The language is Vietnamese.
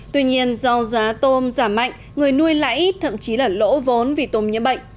tuy nhiên do giá tôm giảm mạnh người nuôi lãi thậm chí là lỗ vốn vì tôm nhiễm bệnh